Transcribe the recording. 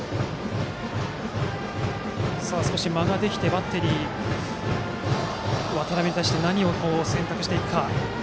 少し間ができてバッテリーは渡邉に対して何を選択していくか。